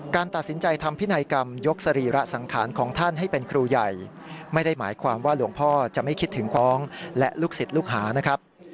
การตัดสินใจทำพินัยกรรมยกสรีระสังขารของท่านให้เป็นครูใหญ่ไม่ได้หมายความว่าหลวงพ่อจะไม่คิดถึงฟ้องและลูกศิษย์ลูกหานะครับ